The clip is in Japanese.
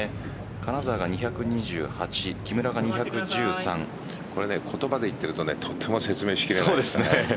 金澤が２２８木村が２１３言葉で言ってると説明しきれないです。